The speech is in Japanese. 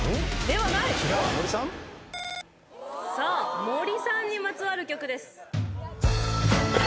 さあ森さんにまつわる曲です。